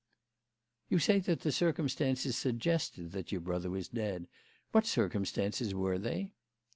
"You say that the circumstances suggested that your brother was dead. What circumstances were they?"